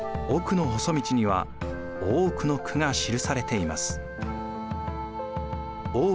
「奥の細道」には多くの句が記されています。